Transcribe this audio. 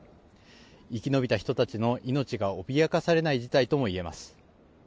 生き延びた人たちの命が脅かされない事態とも言えます。